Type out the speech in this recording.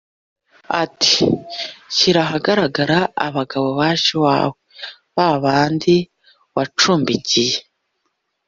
ati «shyira ahagaragara abagabo baje iwawe, ba bandi wacumbikiye.